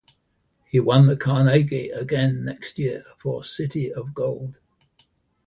He won the Carnegie again next year for "City of Gold".